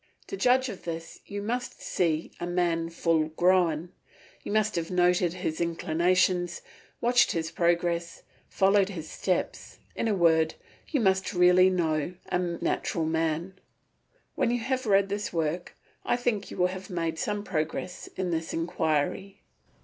To judge of this you must see the man full grown; you must have noted his inclinations, watched his progress, followed his steps; in a word you must really know a natural man. When you have read this work, I think you will have made some progress in this inquiry.